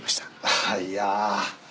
あっいや。